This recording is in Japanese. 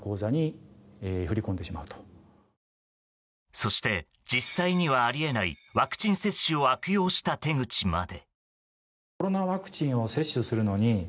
そして実際にはあり得ないワクチン接種を悪用した手口まで。